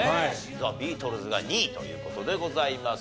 ザ・ビートルズが２位という事でございます。